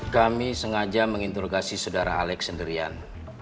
kami sengaja mengintrogasi saudara alec sendirian